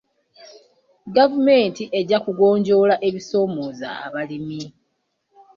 Gavumenti ejja kugonjoola ebisoomooza abalimi.